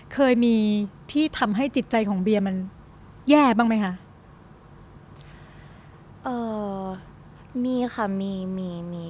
เคยมีที่ทำให้จิตใจของเบียร์มันแย่บ้างไหมคะเอ่อมีค่ะมีมีมี